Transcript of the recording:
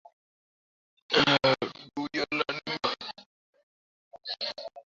Leading Volunteer and Patriot, Henry Grattan, is recorded as wearing a blue Volunteer uniform.